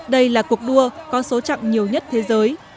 đây là cuộc đua có số chặng nhiều nhất thế giới